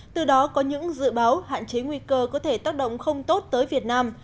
từ đó có những dự báo hạn chế nguy cơ có thể tác động không tốt tới việt nam